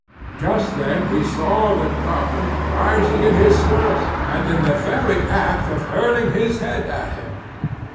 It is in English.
Just then he saw the goblin rising in his stirrups, and in the very act of hurling his head at him.